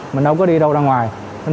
mình đâu có đi đâu ra ngoài